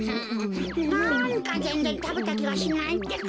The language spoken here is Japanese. なんかぜんぜんたべたきがしないってか。